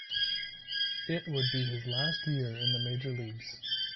It would be his last year in the major leagues.